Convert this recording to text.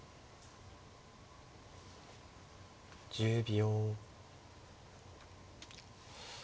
１０秒。